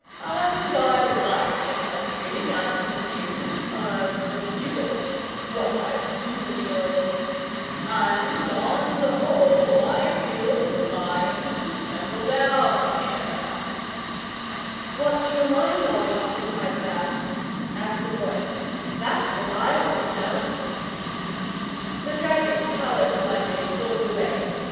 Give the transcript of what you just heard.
And I like the country, and the view, and the people what I've seen of 'em and on the whole I feel inclined to settle down here." "What's your mind always occupied about?" asked the Boy. "That's what I want to know." The dragon coloured slightly and looked away.